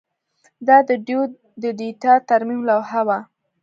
دا د ډیو د ډیټا ترمیم لوحه وه